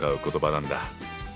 なんだ！